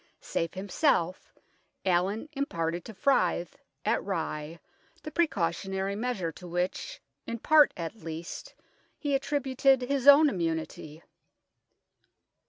Safe himself, Allin imparted to Fryth, at Rye, the precautionary measure to which, in part at least, he attributed his own immunity.